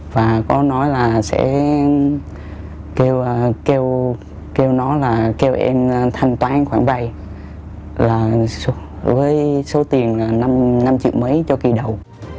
và có nói là sẽ kêu em thanh toán khoản vây với số tiền là năm triệu mấy cho kỳ đầu